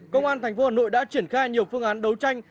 công an thành phố hà nội đã triển khai nhiều phương án đấu tranh